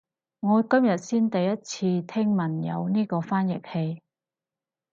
我今日先第一次聽講有呢個翻譯器